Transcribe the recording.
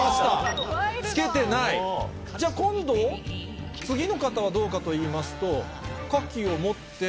じゃあ、今度、次の方はどうかといいますと、カキを持って。